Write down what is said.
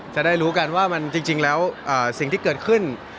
จะได้รู้กันว่ามันจริงแล้วสิ่งที่เกิดขึ้น